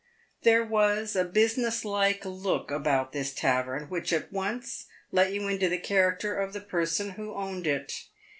There was a business like look about this tavern which at once let you into the character of the person who owned it.